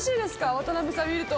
渡辺さん見ると。